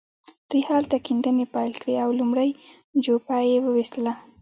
دوی هلته کيندنې پيل کړې او لومړۍ جوپه يې وويسته.